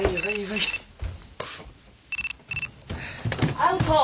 アウト。